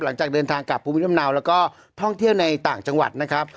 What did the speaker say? หลังจากเดินทางกลับภูมิลำเนาแล้วก็ท่องเที่ยวในต่างจังหวัดนะครับ